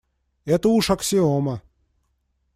Это уж аксиома.